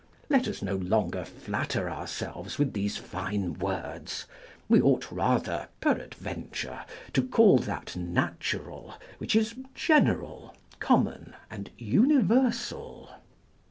Let us no longer flatter ourselves with these fine words; we ought rather, peradventure, to call that natural which is general, common, and universal.